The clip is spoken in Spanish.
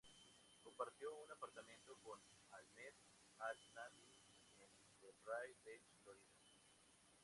Compartió un apartamento con Ahmed al-Nami en Delray Beach, Florida.